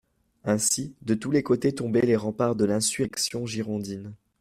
Ainsi de tous les côtés tombaient les remparts de l'insurrection girondine.